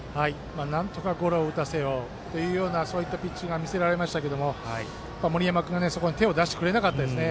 なんとかゴロを打たせようというような、そういうピッチングは見られましたけど森山君が手を出してくれなかったですね